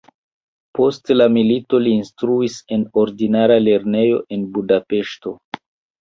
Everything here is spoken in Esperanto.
Post la milito li instruis en ordinara lernejo en Budapeŝto.